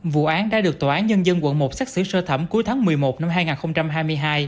vụ án đã được tòa án nhân dân quận một xác xử sơ thẩm cuối tháng một mươi một năm hai nghìn hai mươi hai